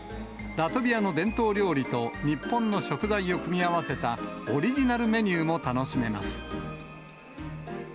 ラトビアの伝統料理と日本の食材を組み合わせたオリジナルメニューも楽しめます。